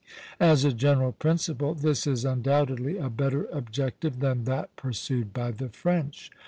As a general principle, this is undoubtedly a better objective than that pursued by the French.